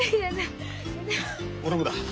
俺もだ。